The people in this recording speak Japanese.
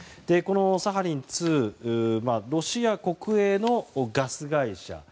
このサハリン２ロシア国営のガス会社